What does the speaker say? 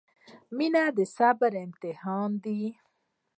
• مینه د صبر امتحان دی.